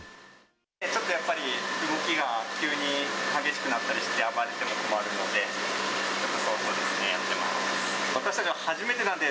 ちょっとやっぱり、動きが急に激しくなったりして、暴れても困るので。